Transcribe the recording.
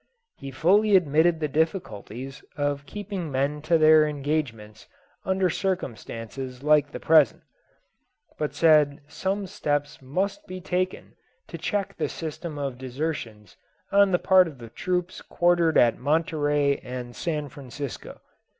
He fully admitted the difficulties of keeping men to their engagements under circumstances like the present; but said some steps must be taken to check the system of desertions on the part of the troops quartered at Monterey and San Francisco.